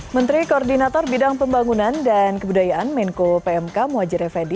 menteri koordinator bidang pembangunan dan kebudayaan menko pmk muhajir effendi